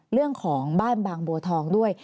เรื่องของบ้านบางบัวทองด้วย